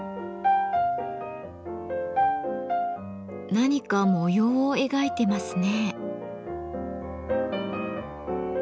何か模様を描いてますね。